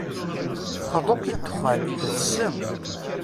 Xḍu-k i ddexxan, d ssem.